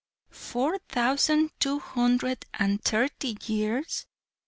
"Four thousand, two hundred and thirty years!"